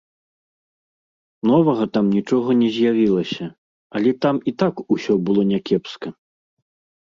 Новага там нічога не з'явілася, але там і так усё было някепска.